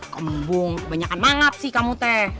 kembung kebanyakan mangap sih kamu teh